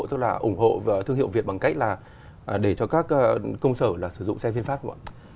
tức là ủng hộ thương hiệu việt bằng cách là để cho các công sở là sử dụng xe phiên pháp không ạ